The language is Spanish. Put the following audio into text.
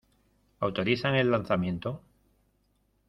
¿ Autorizan el lanzamiento?